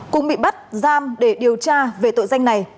cũng bị bắt giam để điều tra về tội danh này